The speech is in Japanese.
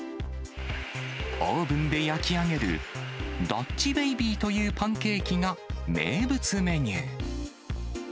オーブンで焼き上げる、ダッチベイビーというパンケーキが名物メニュー。